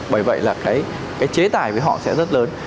bởi vậy là cái chế tài với họ sẽ rất lớn